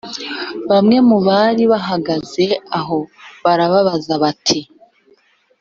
bamwe mu bari bahagaze aho barababaza bati